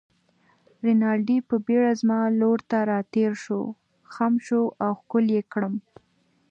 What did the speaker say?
رینالډي په بېړه زما لور ته راتېر شو، خم شو او ښکل يې کړم.